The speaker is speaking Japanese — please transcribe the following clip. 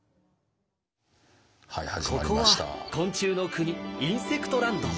ここは昆虫の国インセクトランド。